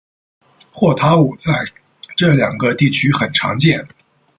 霍塔舞在这两个地区很常见。